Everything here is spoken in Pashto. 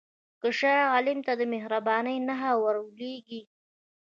که شاه عالم ته د مهربانۍ نښه ورولېږې.